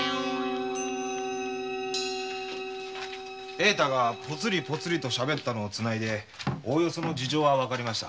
栄太がポツリポツリ喋べるのをつないでおおよその事情はわかりました。